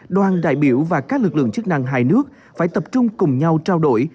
đoàn đại biểu và các lực lượng chức năng hai nước phải tập trung cùng nhau trao đổi